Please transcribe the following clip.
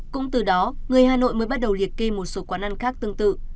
cũng từ đó người hà nội mới bắt đầu liệt kê một số quán ăn khác tương tự